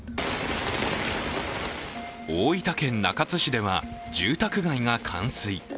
大分県中津市では住宅街が冠水。